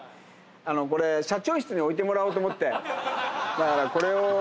だからこれを。